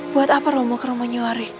buat apa romo ke rumah nyawari